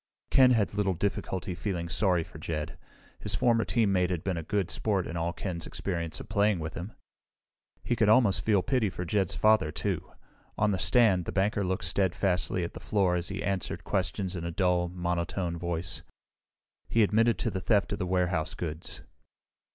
Ken had little difficulty feeling sorry for Jed. His former teammate had been a good sport in all Ken's experience of playing with him. He could almost feel pity for Jed's father, too. On the stand, the banker looked steadfastly at the floor as he answered questions in a dull, monotone voice. He admitted the theft of the warehouse goods.